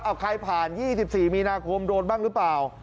เอาใครผ่าน๒๔มีนาคมโดนบ้างหรือเปล่า